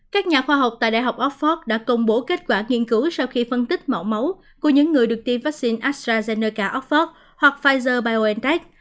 các nhà khoa học tại đại học oxford đã công bố kết quả nghiên cứu sau khi phân tích mẫu máu của những người được tiêm vaccine astrazeneca oxford hoặc pfizer biontech